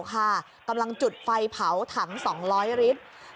กำลังจุดไฟเผาถัง๒๐๐ลิตร